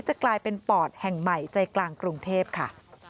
จะกลายเป็นปอดแห่งใหม่ใจกลางกรุงเทพค่ะ